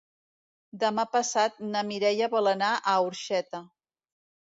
Demà passat na Mireia vol anar a Orxeta.